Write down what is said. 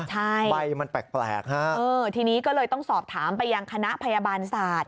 ใช่ทีนี้ก็เลยต้องสอบถามไปยังคณะพยาบาลศาสตร์